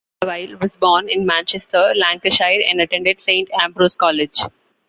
Peter Saville was born in Manchester, Lancashire, and attended Saint Ambrose College.